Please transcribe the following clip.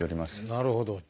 なるほど。